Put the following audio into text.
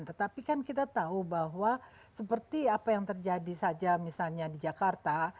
tetapi kan kita tahu bahwa seperti apa yang terjadi saja misalnya di jakarta